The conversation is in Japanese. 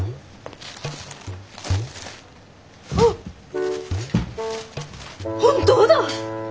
あっ本当だ。